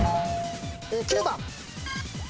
９番。